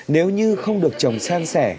nếu như không được chồng sang sẻ